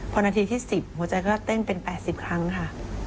พอนาทีที่๑๐หัวใจก็เต้นเป็น๘๐ครั้งค่ะ